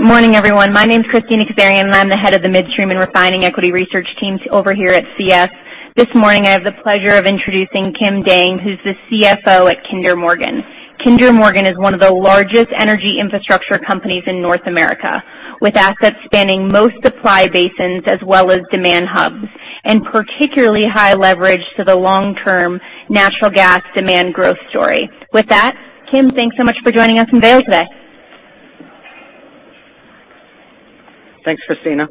Morning, everyone. My name's Kristina Kazarian, I'm the head of the Midstream and Refining Equity Research teams over here at CS. This morning, I have the pleasure of introducing Kim Dang, who's the CFO at Kinder Morgan. Kinder Morgan is one of the largest energy infrastructure companies in North America, with assets spanning most supply basins as well as demand hubs, particularly high leverage to the long-term natural gas demand growth story. With that, Kim, thanks so much for joining us from Vail today. Thanks, Kristina.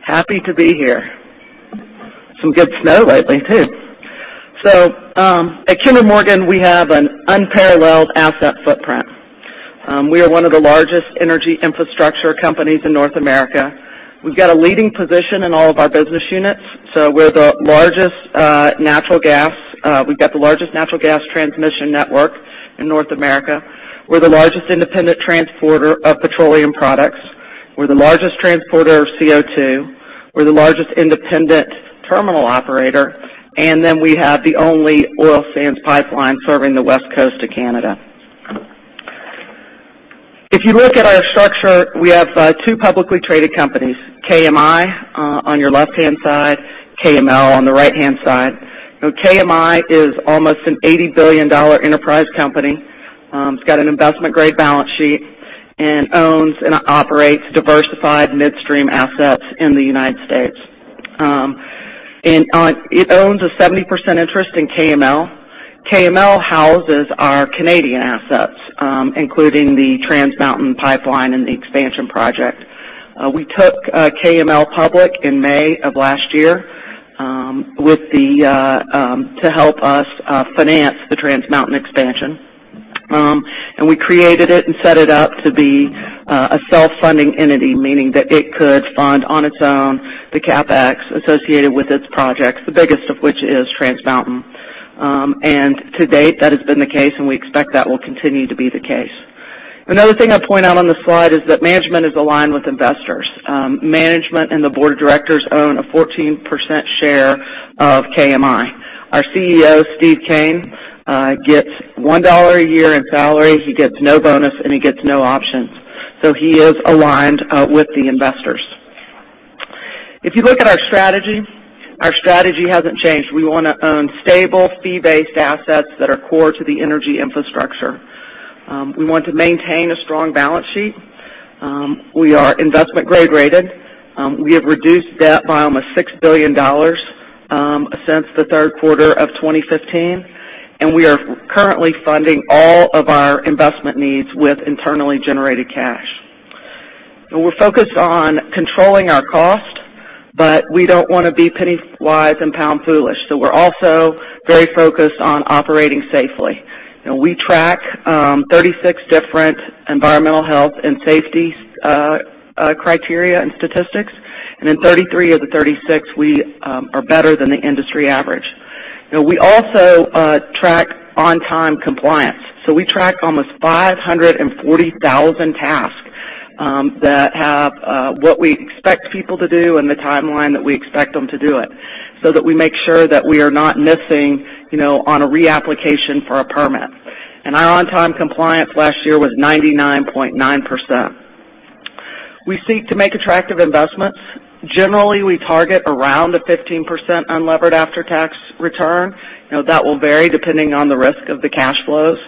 Happy to be here. Some good snow lately, too. At Kinder Morgan, we have an unparalleled asset footprint. We are one of the largest energy infrastructure companies in North America. We've got a leading position in all of our business units, we've got the largest natural gas transmission network in North America. We're the largest independent transporter of petroleum products. We're the largest transporter of CO2. We're the largest independent terminal operator. We have the only oil sands pipeline serving the West Coast of Canada. If you look at our structure, we have two publicly traded companies, KMI on your left-hand side, KML on the right-hand side. KMI is almost an $80 billion enterprise company. It's got an investment-grade balance sheet and owns and operates diversified midstream assets in the United States. It owns a 70% interest in KML. KML houses our Canadian assets, including the Trans Mountain pipeline and the expansion project. We took KML public in May of last year to help us finance the Trans Mountain expansion. We created it and set it up to be a self-funding entity, meaning that it could fund on its own the CapEx associated with its projects, the biggest of which is Trans Mountain. To date, that has been the case, we expect that will continue to be the case. Another thing I point out on this slide is that management is aligned with investors. Management and the board of directors own a 14% share of KMI. Our CEO, Steve Kean, gets $1 a year in salary. He gets no bonus, and he gets no options. He is aligned with the investors. If you look at our strategy, our strategy hasn't changed. We want to own stable, fee-based assets that are core to the energy infrastructure. We want to maintain a strong balance sheet. We are investment grade-rated. We have reduced debt by almost $6 billion since the third quarter of 2015, we are currently funding all of our investment needs with internally generated cash. We're focused on controlling our cost, we don't want to be penny-wise and pound-foolish, we're also very focused on operating safely. We track 36 different environmental health and safety criteria and statistics, in 33 of the 36, we are better than the industry average. We also track on-time compliance. We track almost 540,000 tasks that have what we expect people to do and the timeline that we expect them to do it so that we make sure that we are not missing on a reapplication for a permit. Our on-time compliance last year was 99.9%. We seek to make attractive investments. Generally, we target around a 15% unlevered after-tax return. That will vary depending on the risk of the cash flows.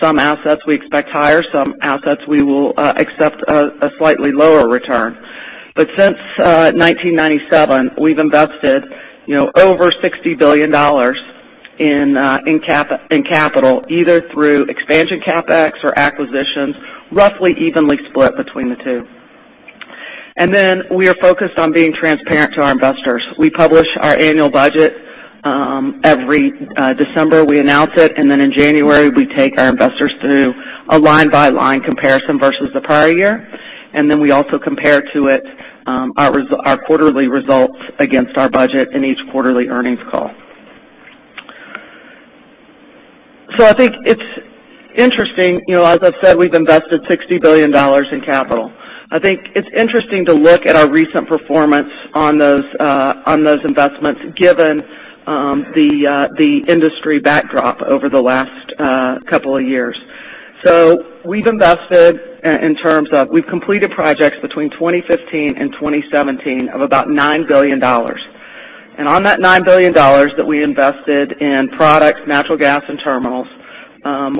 Some assets we expect higher, some assets we will accept a slightly lower return. Since 1997, we've invested over $60 billion in capital, either through expansion CapEx or acquisitions, roughly evenly split between the two. We are focused on being transparent to our investors. We publish our annual budget every December. We announce it, in January, we take our investors through a line-by-line comparison versus the prior year. We also compare to it our quarterly results against our budget in each quarterly earnings call. I think it's interesting. As I've said, we've invested $60 billion in capital. I think it's interesting to look at our recent performance on those investments given the industry backdrop over the last couple of years. We've completed projects between 2015 and 2017 of about $9 billion. On that $9 billion that we invested in products, natural gas, and terminals,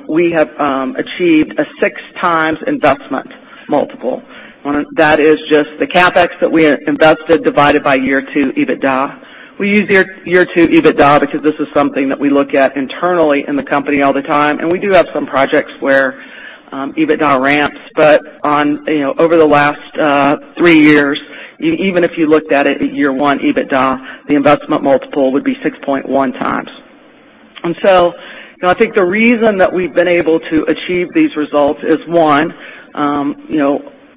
we have achieved a six times investment multiple. That is just the CapEx that we invested divided by year two EBITDA. We use year two EBITDA because this is something that we look at internally in the company all the time, and we do have some projects where EBITDA ramps. Over the last three years, even if you looked at it at year one EBITDA, the investment multiple would be 6.1 times. I think the reason that we've been able to achieve these results is, one,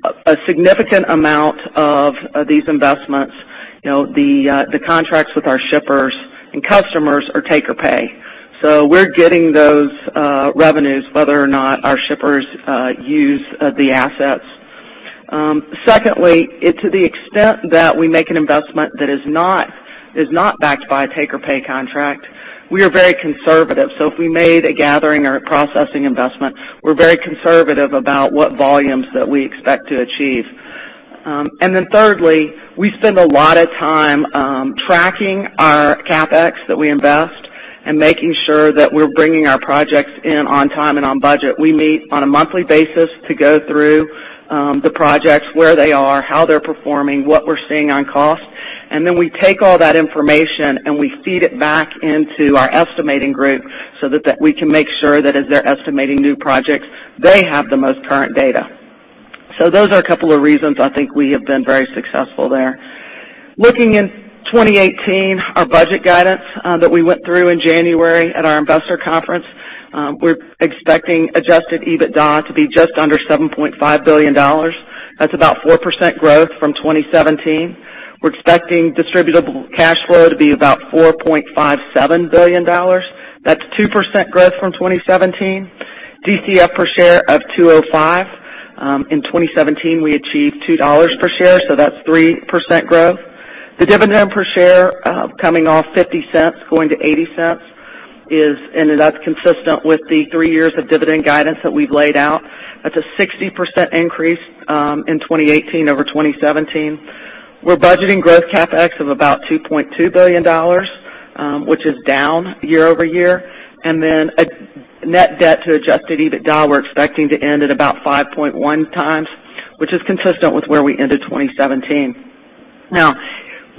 a significant amount of these investments, the contracts with our shippers and customers are take-or-pay. We're getting those revenues whether or not our shippers use the assets. Secondly, to the extent that we make an investment that is not backed by a take-or-pay contract, we are very conservative. If we made a gathering or a processing investment, we're very conservative about what volumes that we expect to achieve. Thirdly, we spend a lot of time tracking our CapEx that we invest and making sure that we're bringing our projects in on time and on budget. We meet on a monthly basis to go through the projects, where they are, how they're performing, what we're seeing on cost, we take all that information and we feed it back into our estimating group so that we can make sure that as they're estimating new projects, they have the most current data. Those are a couple of reasons I think we have been very successful there. Looking in 2018, our budget guidance that we went through in January at our investor conference, we're expecting adjusted EBITDA to be just under $7.5 billion. That's about 4% growth from 2017. We're expecting distributable cash flow to be about $4.57 billion. That's 2% growth from 2017. DCF per share of $2.05. In 2017, we achieved $2 per share, that's 3% growth. The dividend per share coming off $0.50, going to $0.80, That's consistent with the three years of dividend guidance that we've laid out. That's a 60% increase in 2018 over 2017. We're budgeting growth CapEx of about $2.2 billion, which is down year-over-year. Net debt to adjusted EBITDA, we're expecting to end at about 5.1 times, which is consistent with where we ended 2017.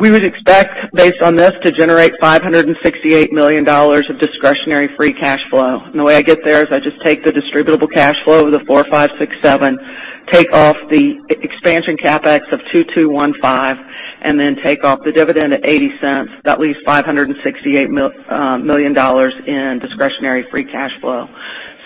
We would expect based on this to generate $568 million of discretionary free cash flow. The way I get there is I just take the distributable cash flow of the $4.567 billion, take off the expansion CapEx of $2.215 billion, take off the dividend at $0.80. That leaves $568 million in discretionary free cash flow.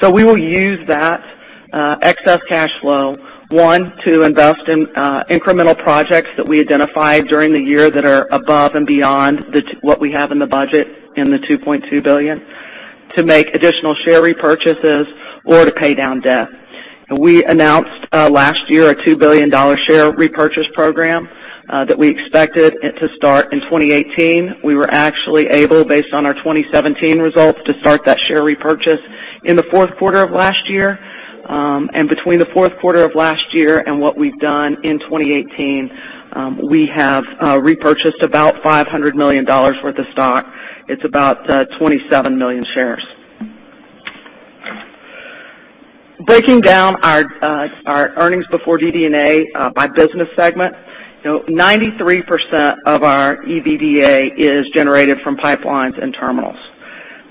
We will use that excess cash flow, one, to invest in incremental projects that we identified during the year that are above and beyond what we have in the budget in the $2.2 billion, to make additional share repurchases or to pay down debt. We announced last year a $2 billion share repurchase program that we expected to start in 2018. We were actually able, based on our 2017 results, to start that share repurchase in the fourth quarter of last year. Between the fourth quarter of last year and what we've done in 2018, we have repurchased about $500 million worth of stock. It's about 27 million shares. Breaking down our earnings before DD&A by business segment. 93% of our EBITDA is generated from pipelines and terminals.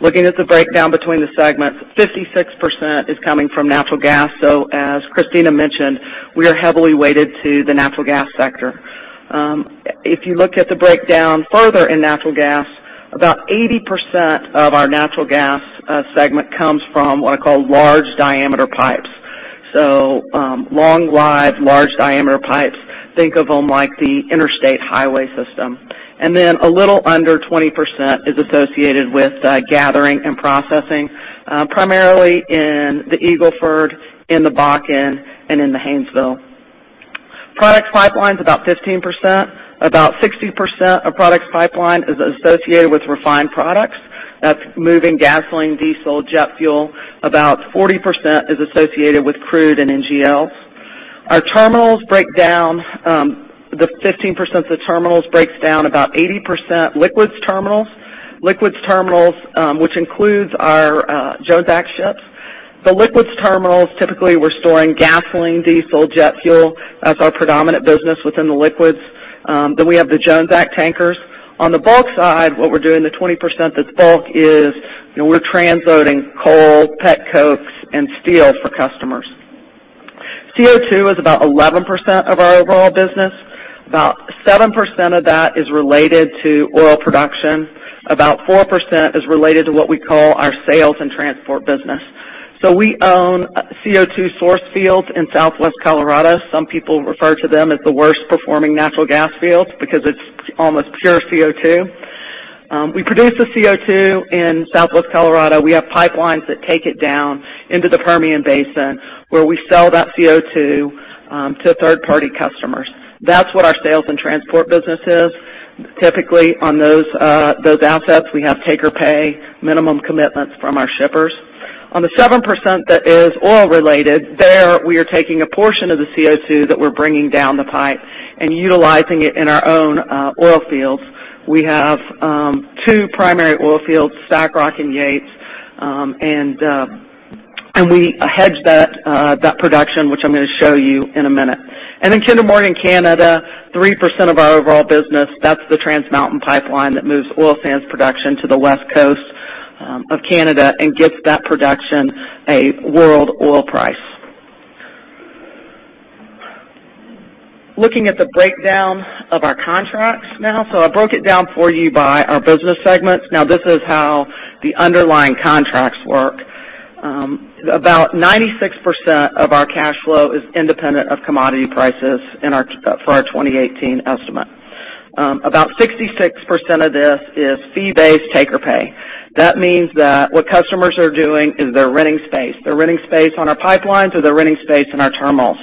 Looking at the breakdown between the segments, 56% is coming from natural gas. As Kristina mentioned, we are heavily weighted to the natural gas sector. If you look at the breakdown further in natural gas, about 80% of our natural gas segment comes from what I call large diameter pipes. Long live large diameter pipes. Think of them like the interstate highway system. A little under 20% is associated with gathering and processing, primarily in the Eagle Ford, in the Bakken, and in the Haynesville. Products pipeline is about 15%. About 60% of products pipeline is associated with refined products. That's moving gasoline, diesel, jet fuel. About 40% is associated with crude and NGLs. The 15% of the terminals breaks down about 80% liquids terminals. Liquids terminals which includes our Jones Act ships. The liquids terminals, typically we're storing gasoline, diesel, jet fuel. That's our predominant business within the liquids. Then we have the Jones Act tankers. On the bulk side, what we're doing, the 20% that's bulk is we're transloading coal, petcoke, and steel for customers. CO2 is about 11% of our overall business. About 7% of that is related to oil production. About 4% is related to what we call our sales and transport business. We own CO2 source fields in Southwest Colorado. Some people refer to them as the worst performing natural gas fields because it's almost pure CO2. We produce the CO2 in Southwest Colorado. We have pipelines that take it down into the Permian Basin, where we sell that CO2 to third-party customers. That's what our sales and transport business is. Typically, on those assets, we have take-or-pay minimum commitments from our shippers. On the 7% that is oil related, there we are taking a portion of the CO2 that we're bringing down the pipe and utilizing it in our own oil fields. We have two primary oil fields, SACROC and Yates. We hedge that production, which I'm going to show you in a minute. Kinder Morgan Canada, 3% of our overall business. That's the Trans Mountain pipeline that moves oil sands production to the West Coast of Canada and gets that production a world oil price. Looking at the breakdown of our contracts now. I broke it down for you by our business segments. This is how the underlying contracts work. About 96% of our cash flow is independent of commodity prices for our 2018 estimate. About 66% of this is fee-based take-or-pay. That means that what customers are doing is they're renting space. They're renting space on our pipelines or they're renting space in our terminals.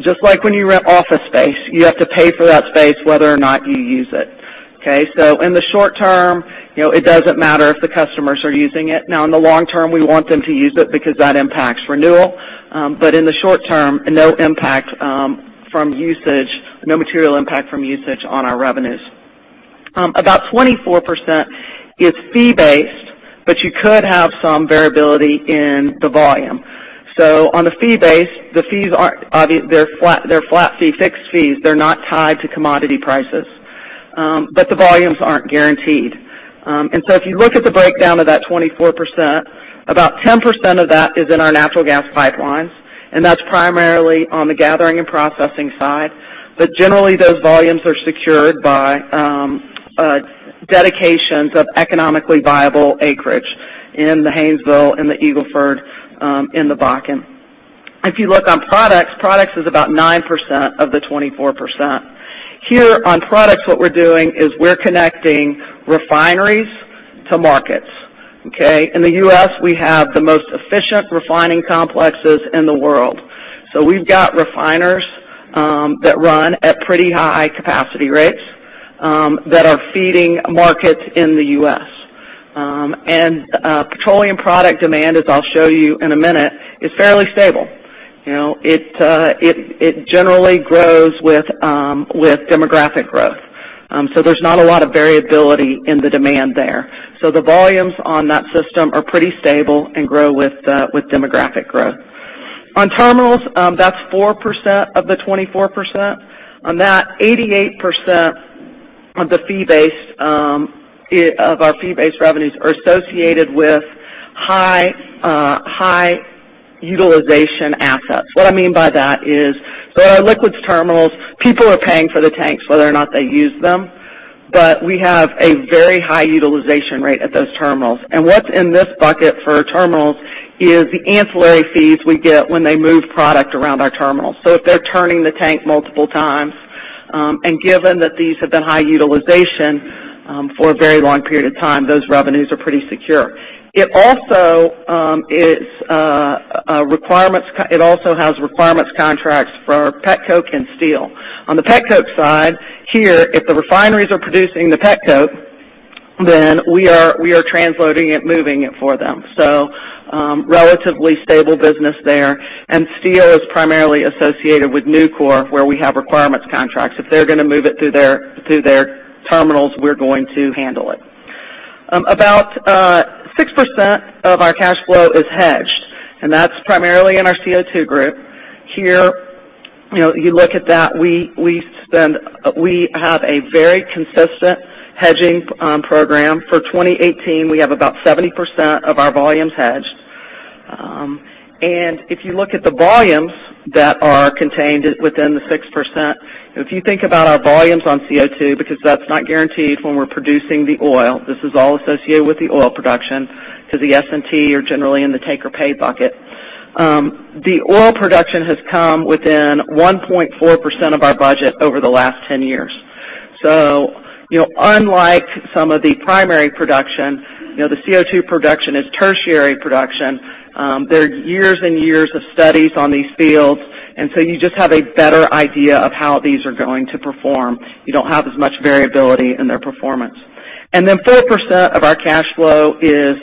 Just like when you rent office space, you have to pay for that space whether or not you use it. Okay? In the short term, it doesn't matter if the customers are using it. In the long term, we want them to use it because that impacts renewal. In the short term, no material impact from usage on our revenues. About 24% is fee-based, you could have some variability in the volume. On the fee base, the fees are, they're flat fee, fixed fees. They're not tied to commodity prices. The volumes aren't guaranteed. If you look at the breakdown of that 24%, about 10% of that is in our natural gas pipelines, and that's primarily on the gathering and processing side. Generally, those volumes are secured by dedications of economically viable acreage in the Haynesville, in the Eagle Ford, in the Bakken. If you look on products is about 9% of the 24%. Here on products, what we're doing is we're connecting refineries to markets. Okay? In the U.S., we have the most efficient refining complexes in the world. We've got refiners that run at pretty high capacity rates that are feeding markets in the U.S. Petroleum product demand, as I'll show you in a minute, is fairly stable. It generally grows with demographic growth. There's not a lot of variability in the demand there. The volumes on that system are pretty stable and grow with demographic growth. On terminals, that's 4% of the 24%. On that, 88% of our fee-based revenues are associated with high utilization assets. What I mean by that is, our liquids terminals, people are paying for the tanks, whether or not they use them. We have a very high utilization rate at those terminals. What's in this bucket for terminals is the ancillary fees we get when they move product around our terminals. If they're turning the tank multiple times, given that these have been high utilization for a very long period of time, those revenues are pretty secure. It also has requirements contracts for petcoke and steel. On the petcoke side, here, if the refineries are producing the petcoke, we are transloading it and moving it for them. Relatively stable business there. Steel is primarily associated with Nucor, where we have requirements contracts. If they're going to move it through their terminals, we're going to handle it. About 6% of our cash flow is hedged, and that's primarily in our CO2 group. Here, you look at that. We have a very consistent hedging program. For 2018, we have about 70% of our volumes hedged. If you look at the volumes that are contained within the 6%, if you think about our volumes on CO2, because that's not guaranteed when we're producing the oil, this is all associated with the oil production because the S&T are generally in the take-or-pay bucket. The oil production has come within 1.4% of our budget over the last 10 years. Unlike some of the primary production, the CO2 production is tertiary production. There are years and years of studies on these fields, you just have a better idea of how these are going to perform. You don't have as much variability in their performance. 4% of our cash flow is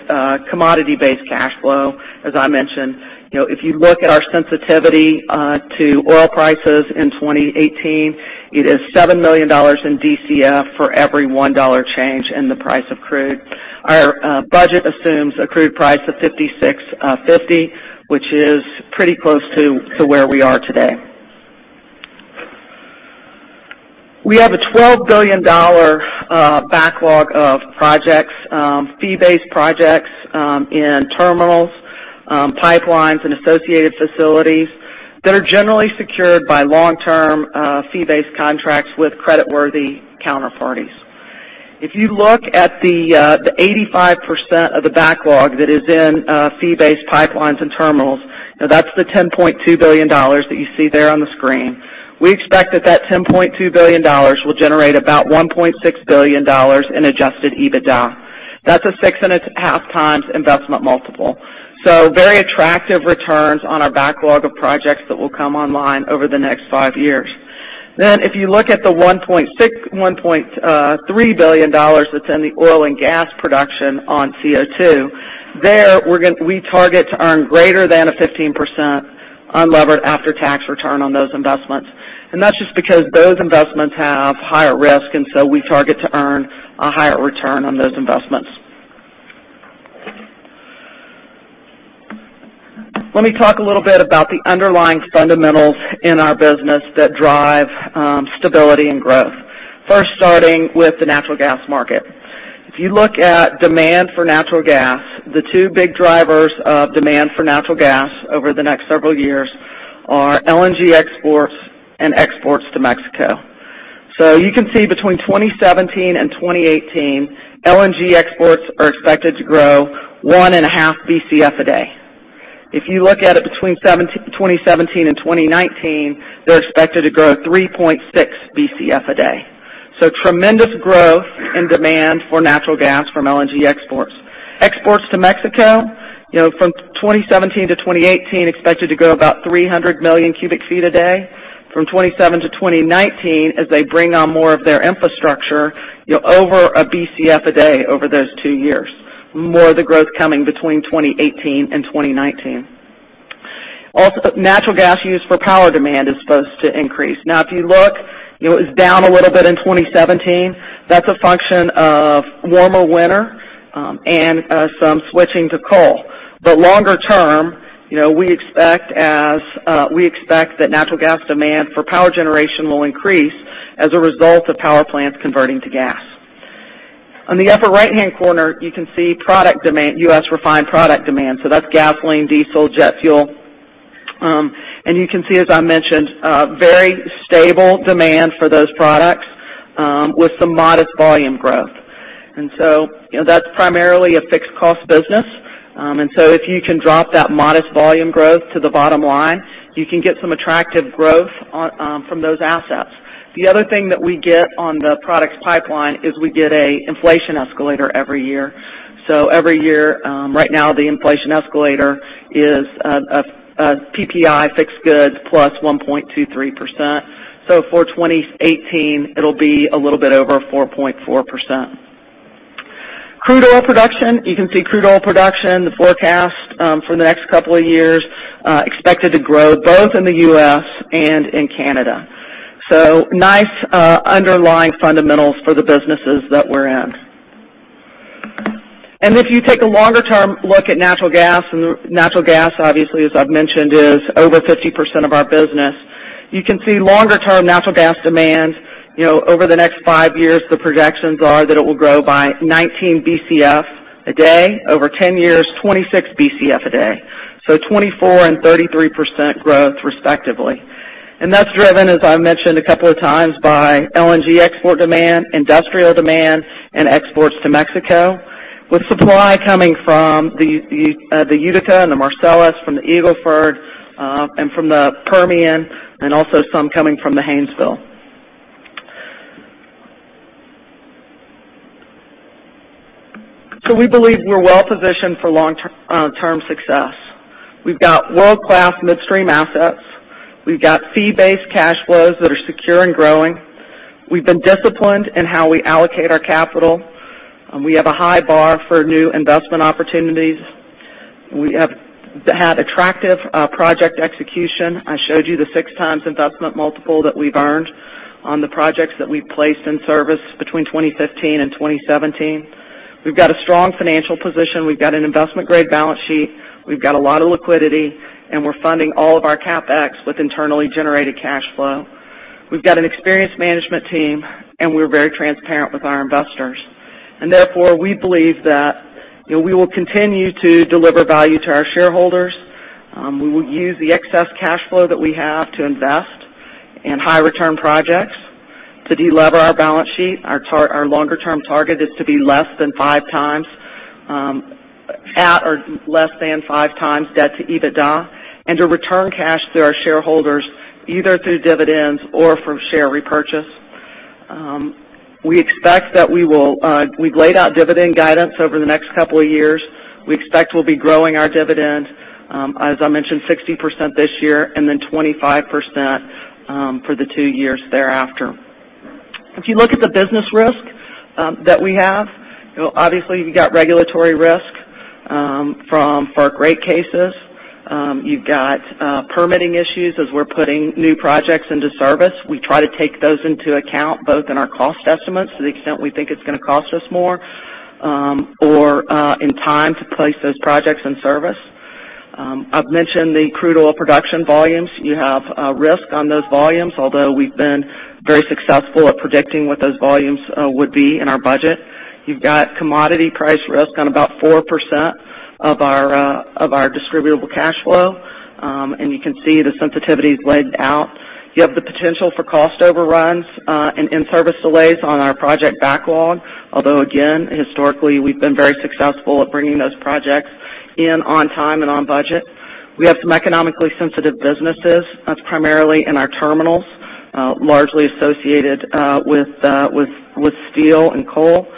commodity-based cash flow, as I mentioned. If you look at our sensitivity to oil prices in 2018, it is $7 million in DCF for every $1 change in the price of crude. Our budget assumes a crude price of $56.50, which is pretty close to where we are today. We have a $12 billion backlog of fee-based projects in terminals, pipelines, and associated facilities that are generally secured by long-term fee-based contracts with creditworthy counterparties. If you look at the 85% of the backlog that is in fee-based pipelines and terminals, that's the $10.2 billion that you see there on the screen. We expect that $10.2 billion will generate about $1.6 billion in adjusted EBITDA. That's a 6.5x investment multiple. Very attractive returns on our backlog of projects that will come online over the next five years. If you look at the $1.3 billion that's in the oil and gas production on CO2, there, we target to earn greater than a 15% unlevered after-tax return on those investments. That's just because those investments have higher risk, we target to earn a higher return on those investments. Let me talk a little bit about the underlying fundamentals in our business that drive stability and growth. First, starting with the natural gas market. If you look at demand for natural gas, the two big drivers of demand for natural gas over the next several years are LNG exports and exports to Mexico. You can see between 2017 and 2018, LNG exports are expected to grow 1.5 BCF a day. If you look at it between 2017 and 2019, they're expected to grow 3.6 BCF a day. Tremendous growth and demand for natural gas from LNG exports. Exports to Mexico from 2017 to 2018 expected to grow about 300 million cubic feet a day. From 2017 to 2019, as they bring on more of their infrastructure, over a BCF a day over those two years, more of the growth coming between 2018 and 2019. Also, natural gas used for power demand is supposed to increase. Now, if you look, it was down a little bit in 2017. That's a function of warmer winter and some switching to coal. Longer term, we expect that natural gas demand for power generation will increase as a result of power plants converting to gas. On the upper right-hand corner, you can see U.S. refined product demand. That's gasoline, diesel, jet fuel. You can see, as I mentioned, very stable demand for those products with some modest volume growth. That's primarily a fixed cost business. If you can drop that modest volume growth to the bottom line, you can get some attractive growth from those assets. The other thing that we get on the products pipeline is we get an inflation escalator every year. Every year, right now, the inflation escalator is a PPI Finished Goods plus 1.23%. For 2018, it'll be a little bit over 4.4%. Crude oil production. You can see crude oil production, the forecast for the next couple of years expected to grow both in the U.S. and in Canada. Nice underlying fundamentals for the businesses that we're in. If you take a longer-term look at natural gas, Natural gas, obviously, as I've mentioned, is over 50% of our business. You can see longer-term natural gas demand. Over the next five years, the projections are that it will grow by 19 Bcf a day. Over 10 years, 26 Bcf a day. 24% and 33% growth respectively. That's driven, as I mentioned a couple of times, by LNG export demand, industrial demand, and exports to Mexico, with supply coming from the Utica and the Marcellus, from the Eagle Ford, and from the Permian, and also some coming from the Haynesville. We believe we're well positioned for long-term success. We've got world-class midstream assets. We've got fee-based cash flows that are secure and growing. We've been disciplined in how we allocate our capital. We have a high bar for new investment opportunities. We have had attractive project execution. I showed you the 6x investment multiple that we've earned on the projects that we've placed in service between 2015 and 2017. We've got a strong financial position. We've got an investment-grade balance sheet. We've got a lot of liquidity, and we're funding all of our CapEx with internally generated cash flow. We've got an experienced management team, and we're very transparent with our investors. Therefore, we believe that we will continue to deliver value to our shareholders. We will use the excess cash flow that we have to invest in high return projects to delever our balance sheet. Our longer-term target is to be less than 5x debt to EBITDA and to return cash to our shareholders, either through dividends or from share repurchase. We've laid out dividend guidance over the next couple of years. We expect we'll be growing our dividend, as I mentioned, 60% this year and 25% for the 2 years thereafter. If you look at the business risk that we have, obviously you've got regulatory risk for our rate cases. You've got permitting issues as we're putting new projects into service. We try to take those into account both in our cost estimates to the extent we think it's going to cost us more or in time to place those projects in service. I've mentioned the crude oil production volumes. You have risk on those volumes, although we've been very successful at predicting what those volumes would be in our budget. You've got commodity price risk on about 4% of our distributable cash flow. You can see the sensitivity is laid out. You have the potential for cost overruns and service delays on our project backlog. Although again, historically, we've been very successful at bringing those projects in on time and on budget. We have some economically sensitive businesses. That's primarily in our terminals, largely associated with steel and coal.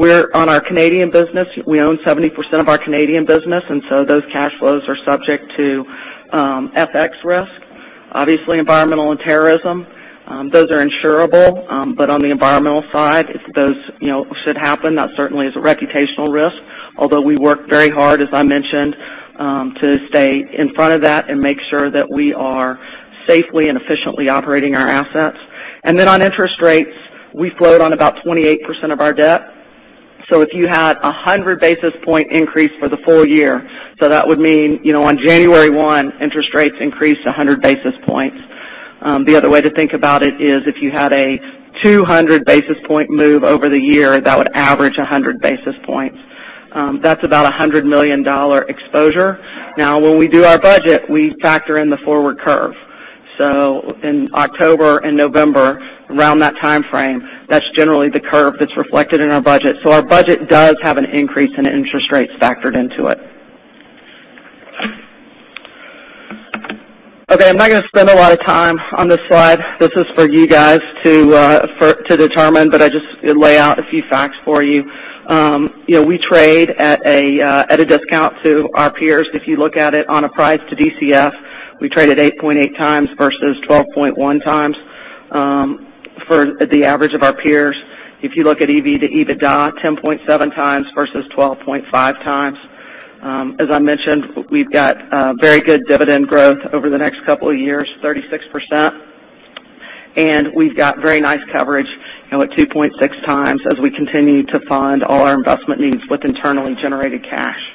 On our Canadian business, we own 70% of our Canadian business, those cash flows are subject to FX risk. Obviously, environmental and terrorism. Those are insurable, but on the environmental side, if those should happen, that certainly is a reputational risk. Although we work very hard, as I mentioned, to stay in front of that and make sure that we are safely and efficiently operating our assets. On interest rates, we float on about 28% of our debt. If you had a 100-basis point increase for the full year, that would mean on January one, interest rates increased 100 basis points. The other way to think about it is if you had a 200-basis point move over the year, that would average 100 basis points. That's about $100 million exposure. When we do our budget, we factor in the forward curve. In October and November, around that timeframe, that's generally the curve that's reflected in our budget. Our budget does have an increase in interest rates factored into it. I'm not going to spend a lot of time on this slide. This is for you guys to determine, but I just lay out a few facts for you. We trade at a discount to our peers. If you look at it on a price to DCF, we trade at 8.8 times versus 12.1 times for the average of our peers. If you look at EV to EBITDA, 10.7 times versus 12.5 times. As I mentioned, we've got very good dividend growth over the next couple of years, 36%, and we've got very nice coverage now at 2.6 times as we continue to fund all our investment needs with internally generated cash.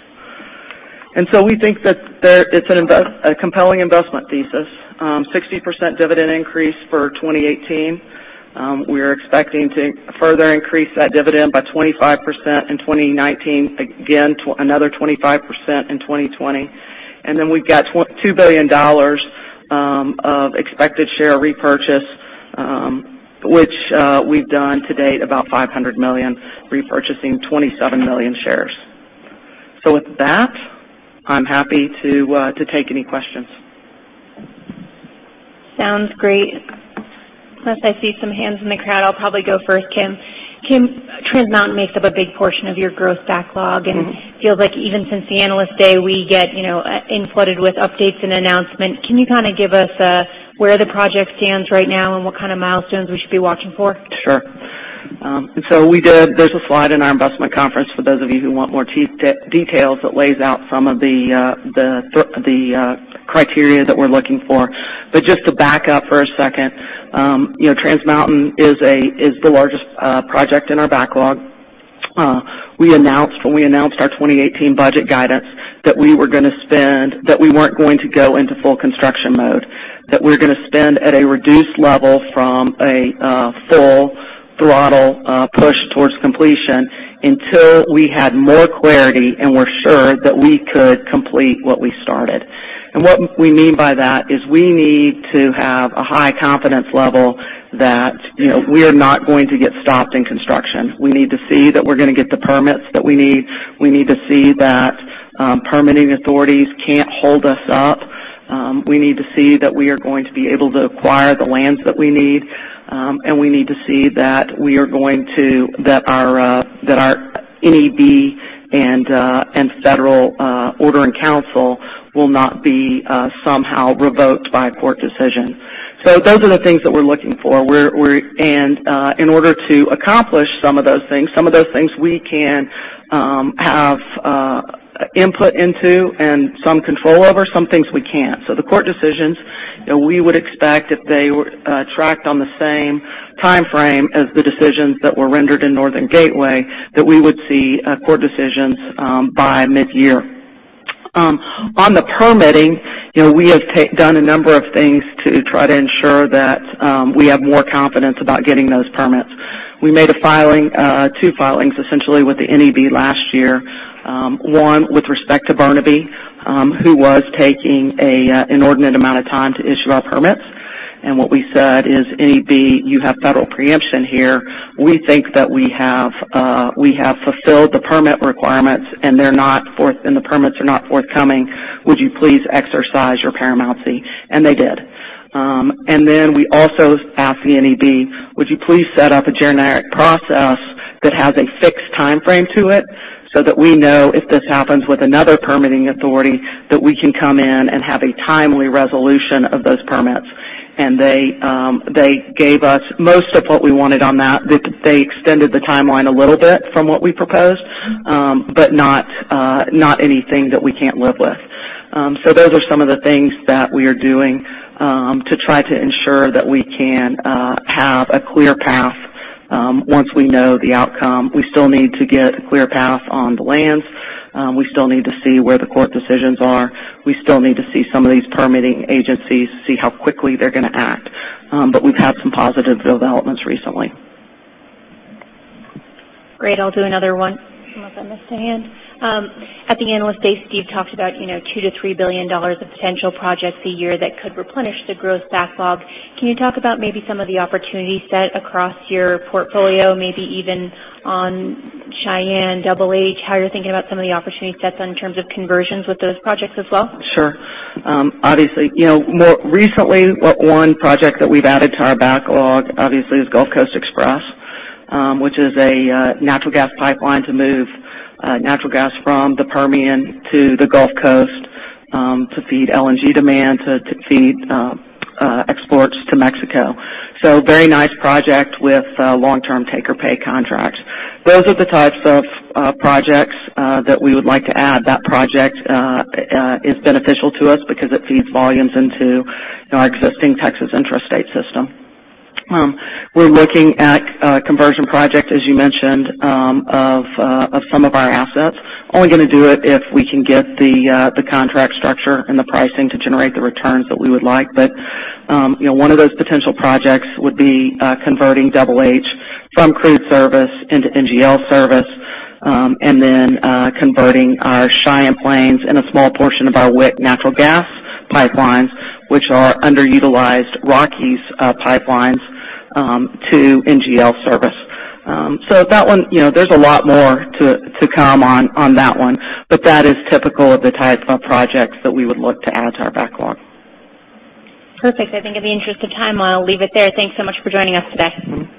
We think that it's a compelling investment thesis. 60% dividend increase for 2018. We are expecting to further increase that dividend by 25% in 2019, again, another 25% in 2020. We've got $2 billion of expected share repurchase, which we've done to date about $500 million, repurchasing 27 million shares. With that, I'm happy to take any questions. Sounds great. I see some hands in the crowd. I'll probably go first, Kim. Kim, Trans Mountain makes up a big portion of your growth backlog, and feels like even since the Analyst Day, we get in flooded with updates and announcement. Can you give us where the project stands right now and what kind of milestones we should be watching for? Sure. There's a slide in our investment conference for those of you who want more details that lays out some of the criteria that we're looking for. Just to back up for a second. Trans Mountain is the largest project in our backlog. When we announced our 2018 budget guidance that we weren't going to go into full construction mode, that we're going to spend at a reduced level from a full throttle push towards completion until we had more clarity and were sure that we could complete what we started. What we mean by that is we need to have a high confidence level that we are not going to get stopped in construction. We need to see that we're going to get the permits that we need. We need to see that permitting authorities can't hold us up. We need to see that we are going to be able to acquire the lands that we need. We need to see that our NEB and federal order in council will not be somehow revoked by a court decision. Those are the things that we're looking for. In order to accomplish some of those things, some of those things we can have input into and some control over, some things we can't. The court decisions, we would expect if they tracked on the same timeframe as the decisions that were rendered in Northern Gateway, that we would see court decisions by mid-year. On the permitting, we have done a number of things to try to ensure that we have more confidence about getting those permits. We made two filings, essentially with the NEB last year. One with respect to Burnaby, who was taking an inordinate amount of time to issue our permits. What we said is, "NEB, you have federal preemption here. We think that we have fulfilled the permit requirements and the permits are not forthcoming. Would you please exercise your paramountcy?" They did. Then we also asked the NEB, "Would you please set up a generic process that has a fixed timeframe to it so that we know if this happens with another permitting authority, that we can come in and have a timely resolution of those permits?" They gave us most of what we wanted on that. They extended the timeline a little bit from what we proposed, but not anything that we can't live with. Those are some of the things that we are doing to try to ensure that we can have a clear path once we know the outcome. We still need to get a clear path on the lands. We still need to see where the court decisions are. We still need to see some of these permitting agencies, see how quickly they're going to act, but we've had some positive developments recently. Great. I'll do another one unless I missed a hand. At the Analyst Day, Steve Kean talked about $2 billion to $3 billion of potential projects a year that could replenish the growth backlog. Can you talk about maybe some of the opportunity set across your portfolio, maybe even on Cheyenne, Double H, how you're thinking about some of the opportunity sets in terms of conversions with those projects as well? Sure. Obviously, more recently, one project that we've added to our backlog, obviously, is Gulf Coast Express, which is a natural gas pipeline to move natural gas from the Permian to the Gulf Coast to feed LNG demand, to feed exports to Mexico. Very nice project with long-term take-or-pay contracts. Those are the types of projects that we would like to add. That project is beneficial to us because it feeds volumes into our existing Texas intrastate system. We're looking at conversion project, as you mentioned, of some of our assets. Only going to do it if we can get the contract structure and the pricing to generate the returns that we would like. One of those potential projects would be converting Double H from crude service into NGL service, and then converting our Cheyenne Plains and a small portion of our WIC natural gas pipelines, which are underutilized Rockies pipelines, to NGL service. There's a lot more to come on that one, but that is typical of the types of projects that we would look to add to our backlog. Perfect. I think in the interest of time, I'll leave it there. Thanks so much for joining us today.